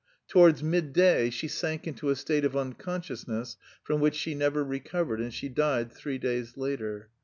Towards midday she sank into a state of unconsciousness from which she never recovered, and she died three days later.